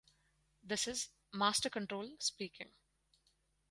This is "Master Control" speaking.